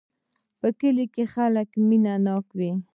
په کلي کې خلک مینه ناک وی